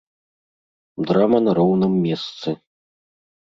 Драма на роўным месцы.